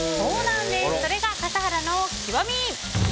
それが笠原の極み。